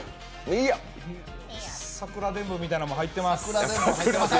桜でんぶみたいなんも入ってます。